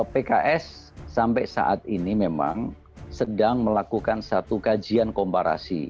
pks sampai saat ini memang sedang melakukan satu kajian komparasi